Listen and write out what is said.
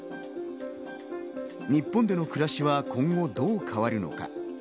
日本での暮らしは今後どう変わるのか。